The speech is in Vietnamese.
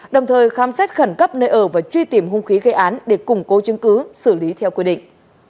đồng thời khám xét khẩn cấp nơi ở và truy tìm hung khí gây án để củng cố chứng cứ xử lý theo quy định